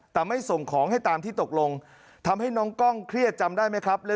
แต่ไม่ส่งของให้ตามที่ตกลงทำให้น้องกล้องเครียดจำได้ไหมครับ